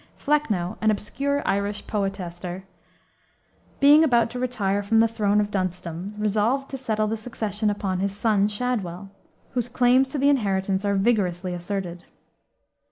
Flecknoe, an obscure Irish poetaster, being about to retire from the throne of duncedom, resolved to settle the succession upon his son, Shadwell, whose claims to the inheritance are vigorously asserted.